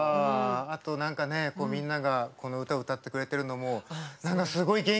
あと何かねみんながこの歌を歌ってくれてるのも何かすごい元気をもらった。